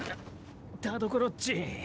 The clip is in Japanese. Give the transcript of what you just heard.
田所っち。